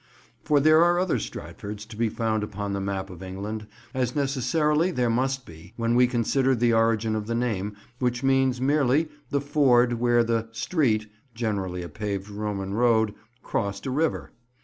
For there are other Stratfords to be found upon the map of England, as necessarily there must be when we consider the origin of the name, which means merely the ford where the "street"—generally a paved Roman road—crossed a river.